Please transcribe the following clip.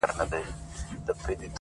نوره سپوږمۍ راپسي مه ږغـوه؛